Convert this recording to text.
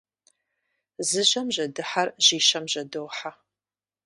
Зы жьэм жьэдыхьэр жьищэм жьэдохьэ.